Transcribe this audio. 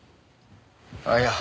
あっいや